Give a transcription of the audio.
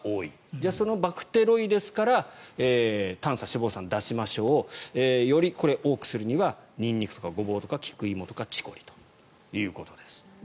じゃあ、そのバクテロイデスから短鎖脂肪酸を出しましょうより、多くするにはニンニクとかゴボウとかキクイモとかチコリとかということです。